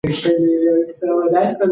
که ناروغان سپورت ونه کړي، عضلات ضعیفېږي.